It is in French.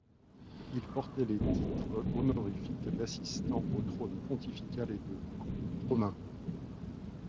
Il portait les titres honorifiques d'assistant au trône pontifical et de comte romain.